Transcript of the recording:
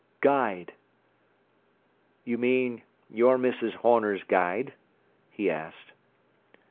Guide." "You mean you're Mrs. Horner's guide?" he asked.